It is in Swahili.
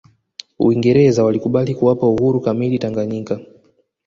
uingereza walikubali kuwapa uhuru kamili tanganyika